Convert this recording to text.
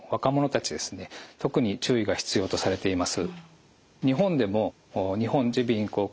特に注意が必要とされています。